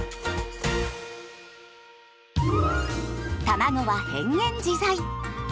たまごは変幻自在。